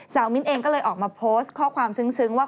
มิ้นเองก็เลยออกมาโพสต์ข้อความซึ้งว่า